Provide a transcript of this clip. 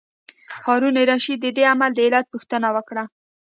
هارون الرشید د دې عمل د علت پوښتنه وکړه.